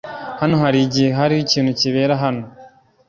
Hano harigihe hariho ikintu kibera hano.